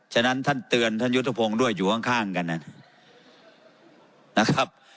ฉะนั้นท่านเตือนท่านยุทธพงศ์ด้วยอยู่ข้างกันนะครับ